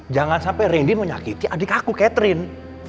jangan sampai randy menyakiti adik aku catherine